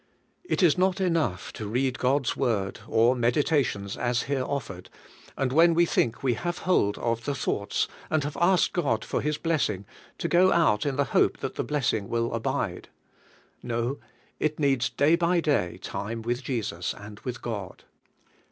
It is not enough to read God's Word, or meditations as here offered, and when we think we have hold of the thoughts, and have asked God for His blessing, to go out in the hope that the blessing will abide. No, it needs day by day time with Jesus and with God.